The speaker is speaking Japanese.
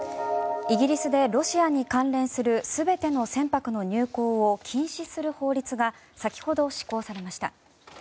イギリスでロシアに関連する全ての船舶の入港を禁止する法律が先ほど施行されました。